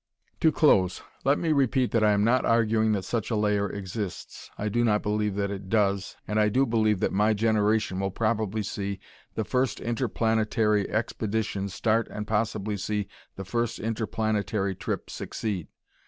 To close, let me repeat that I am not arguing that such a layer exists. I do not believe that it does and I do believe that my generation will probably see the first interplanetary expedition start and possibly see the first interplanetary trip succeed.